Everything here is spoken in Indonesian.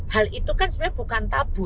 hal itu kan sebenarnya bukan tabu